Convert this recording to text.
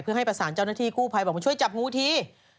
เพื่อให้ประสานเจ้าหน้าที่กู้ภัยบอกมาช่วยจับงูที